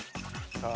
さあ。